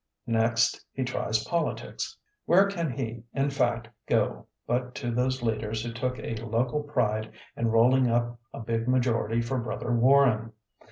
Next he tries politics; where can he in fact go but to those leaders who took a local pride in rolling up a big majority for Brother Warren?